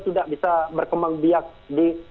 tidak bisa berkembang biak di